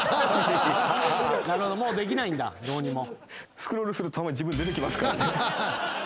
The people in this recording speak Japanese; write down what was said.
スクロールするとたまに自分出てきますからね。